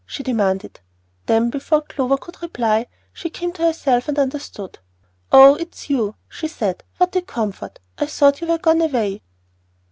she demanded. Then, before Clover could reply, she came to herself and understood. "Oh, it is you," she said. "What a comfort! I thought you were gone away."